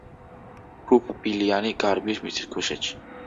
რუფ ბილანი გარბის მიწისქვეშეთში.